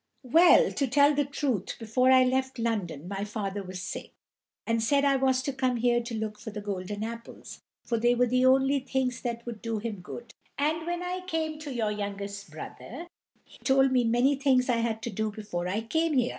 ] "Well, to tell the truth, before I left London my father was sick, and said I was to come here to look for the golden apples, for they were the only things that would do him good; and when I came to your youngest brother, he told me many things I had to do before I came here.